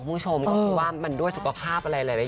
ของคุณพูดว่ามันด้วยสุขภาพอะไรหลาย